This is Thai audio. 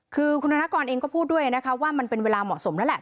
คือคุณธนกรเองก็พูดด้วยนะคะว่ามันเป็นเวลาเหมาะสมแล้วแหละ